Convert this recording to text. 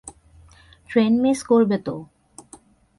Train miss করবে তো।